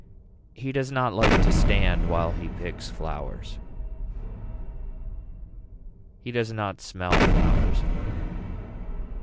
He does not like to stand while he picks flowers. He does not smell flowers.